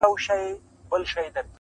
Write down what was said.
• کله وعده کله انکار کله پلمه لګېږې -